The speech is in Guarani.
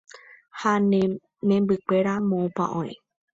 ha ne membykuéra moõpa oĩ